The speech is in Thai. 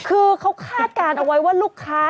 คือเขาคาดการณ์เอาไว้ว่าลูกค้า